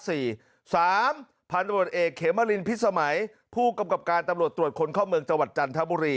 พันธุ์ตำรวจเอกเขมรินพิษสมัยผู้กำกับการตำรวจตรวจคนเข้าเมืองจังหวัดจันทบุรี